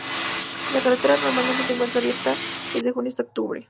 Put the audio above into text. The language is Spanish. La carretera normalmente se encuentra abierta desde junio hasta octubre.